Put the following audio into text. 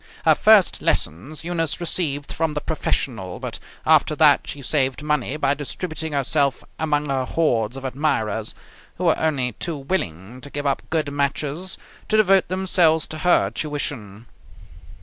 Her first lessons Eunice received from the professional, but after that she saved money by distributing herself among her hordes of admirers, who were only too willing to give up good matches to devote themselves to her tuition.